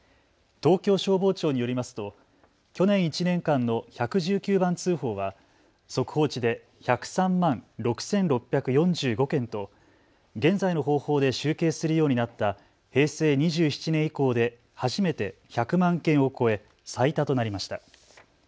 東京消防庁によりますと去年１年間の１１９番通報は速報値で１０３万６６４５件と現在の方法で集計するようになった平成２７年以降で初めて１００万件を超え最多となりました。